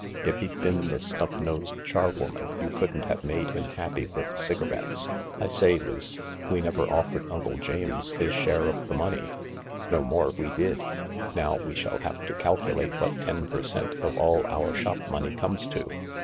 If he'd been the snub nosed charwoman you couldn't have made him happy with cigarettes. I say, Luce, we never offered Uncle James his share of the money." " No more we did. Now we shall have to calculate what ten per cent, of all our shop money comes to.